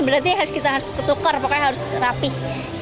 berarti harus kita harus ketukar pokoknya harus rapih